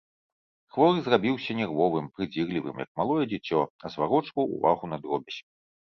Хворы зрабіўся нервовым, прыдзірлівым, як малое дзіцё, зварочваў увагу на дробязь.